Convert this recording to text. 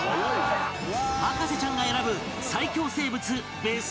博士ちゃんが選ぶ最恐生物ベスト２０